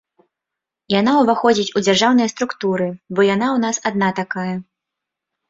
Яна ўваходзіць ў дзяржаўныя структуры, бо яна ў нас адна такая.